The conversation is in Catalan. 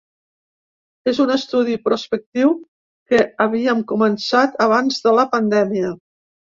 És un estudi prospectiu que havíem començat abans de la pandèmia.